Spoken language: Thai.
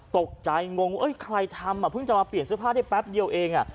ตกใจงงว่าใครทำเพิ่งจะมาเปลี่ยนเสื้อผ้าได้แป๊บเดียวเอง